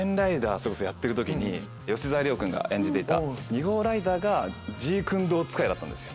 それこそやってる時に吉沢亮君が演じていた２号ライダーがジークンドー使いだったんですよ。